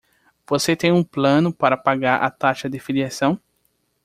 Você tem um plano para pagar a taxa de filiação?